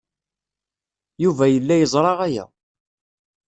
Yuba yella yeẓra aya.